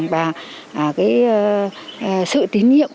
và cái sự tín nhiệm